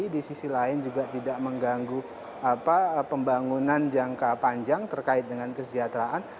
di sisi lain juga tidak mengganggu pembangunan jangka panjang terkait dengan kesejahteraan